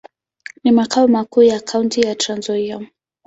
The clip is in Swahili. Ni makao makuu ya kaunti ya Trans-Nzoia.